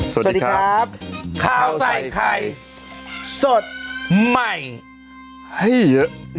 สวัสดีครับข้าวใส่ไข่สดใหม่ให้เยอะ